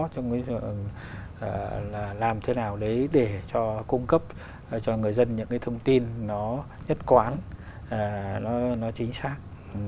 trong cái chuyện là làm thế nào đấy để cho cung cấp cho người dân những cái thông tin nó nhất quán nó chính xác